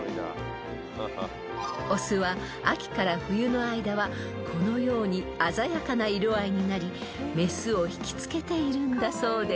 ［雄は秋から冬の間はこのように鮮やかな色合いになり雌を引きつけているんだそうです］